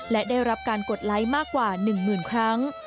และได้รับการกดไลค์มากกว่า๑หมื่นครั้ง